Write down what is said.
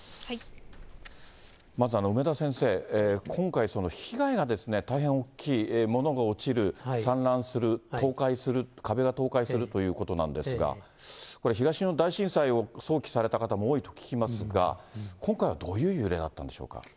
まず、梅田先生、今回、被害が大変大きい、物が落ちる、散乱する、倒壊する、壁が倒壊するということなんですが、これ、東日本大震災を想起された方も多いと聞きますが、今回はどういう揺れだったんでしょうか。